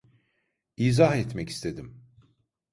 İzah etmek istedim...